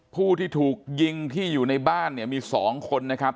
ผู้ที่ถูกยิงที่อยู่ในบ้านเนี่ยมี๒คนนะครับ